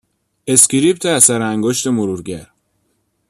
اسکریپت اثرانگشت مرورگر